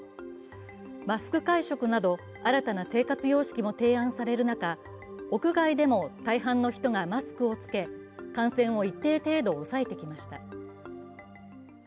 マスク会食など、新たな生活様式も提案される中、屋外でも大半の人がマスクを着け感染を一定程度抑えてきました。